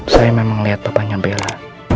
saya memang lihat bapaknya bella